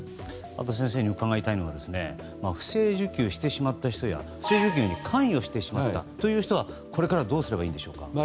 あと先生に伺いたいのは不正受給してしまった人や不正受給に関与してしまったという人はこれからどうすればいいんでしょうか。